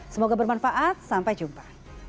semoga bermanfaat sampai jumpa